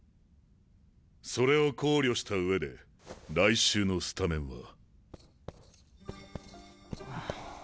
それを考慮した上で来週のスタメンは。